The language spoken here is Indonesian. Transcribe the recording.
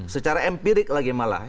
secara empirik lagi malah